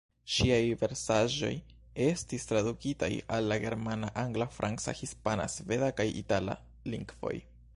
Ŝiaj versaĵoj estis tradukitaj al la germana, angla, franca, hispana, sveda kaj itala lingvoj.